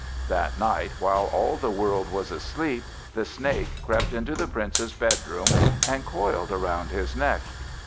That night, while all the world was asleep, the Snake crept into the Prince's bedroom, and coiled around his neck.